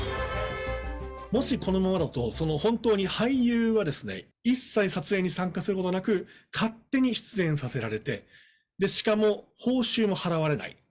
もしこのままだと、本当に俳優は、一切撮影に参加することなく、勝手に出演させられて、しかも報酬も払われない。